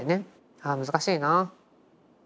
ああ難しいなぁ。